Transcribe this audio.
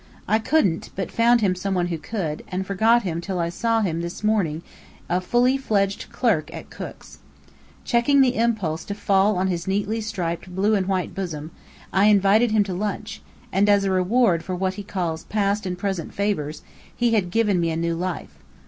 I couldn't; but I found him some one who could; and forgot him till I saw him this morning a fully fledged clerk at Cook's. Checking the impulse to fall on his neatly striped blue and white bosom, I invited him to lunch; and as a reward for what he calls "past and present favours," he had given me new life.